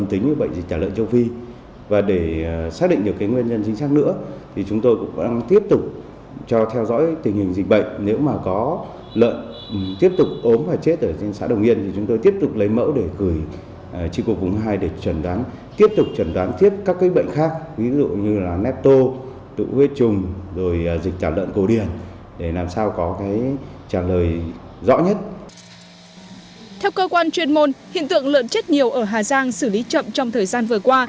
theo cơ quan chuyên môn hiện tượng lợn chết nhiều ở hà giang xử lý chậm trong thời gian vừa qua